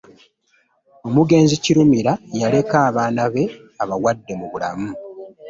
Omugenzi Kirumira yaleka abaana be abawadde mu bulamu.